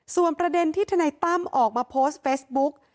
ส่วนประเด็นที่ทนายตั้มออกมาโพสต์เฟซบุ๊ก